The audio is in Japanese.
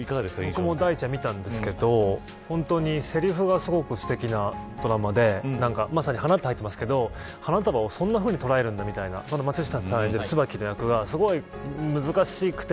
僕も見たんですけどセリフがすてきなドラマでまさに花って入ってますけど花束をそんなふうに捉えるんだとか松下さんが演じる役がすごい難しくて